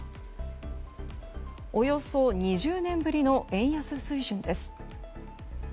およそ２０年ぶりの円安水準です。